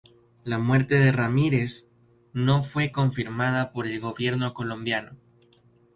La muerte de Ramírez no fue confirmada por el gobierno colombiano.